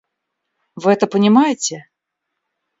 Вы это понимаете?